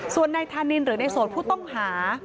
ส่วนนายธานินหรือในโสดผู้ต้องหา